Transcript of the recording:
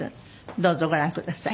どうぞご覧ください。